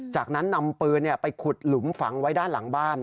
จากนั้นนำปืนไปขุดหลุมฝังไว้ด้านหลังบ้าน